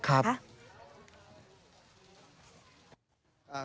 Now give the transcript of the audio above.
ครับ